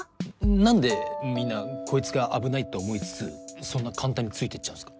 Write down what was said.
何でみんなこいつが危ないって思いつつそんな簡単についてっちゃうんすか？